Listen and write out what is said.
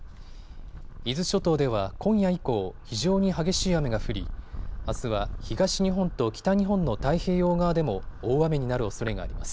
伊豆諸島では今夜以降、非常に激しい雨が降りあすは東日本と北日本の太平洋側でも大雨になるおそれがあります。